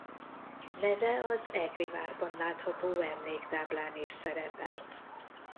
Neve az egri várban látható emléktáblán is szerepel.